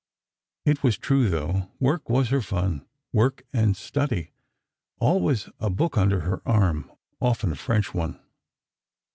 It was true, though: Work was her "fun"—work and study—always a book under her arm: often a French one.